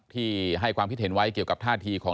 ที่ให้ความคิดเห็นไว้เกี่ยวกับท่าทีของ